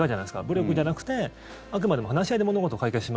武力じゃなくてあくまでも話し合いで外交で。